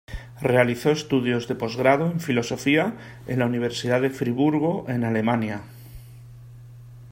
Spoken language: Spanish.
Realizó estudios de posgrado en Filosofía en la Universidad de Friburgo en Alemania.